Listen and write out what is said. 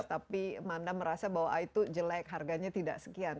tapi manda merasa bahwa itu jelek harganya tidak sekian